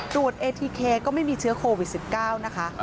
เอทีเคก็ไม่มีเชื้อโควิด๑๙นะคะ